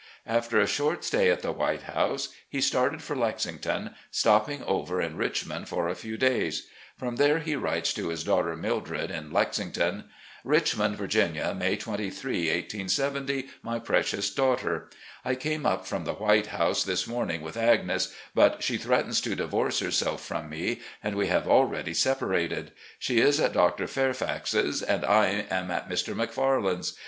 After a short stay at the "White House," he started for Lexington, stopping over in Richmond for a few days. From there he writes to his daughter Mildred in Lexington: THE SOUTHERN TRIP 411 "Richmond, Virginia, May 23, 1870. '*My Precious Daughter: I came up from the ' White House' this morning with Agnes, but she threatens to divorce herself from me, and we have already separated. She is at Dr. Fairfax's and I am at Mr. Macfarland's.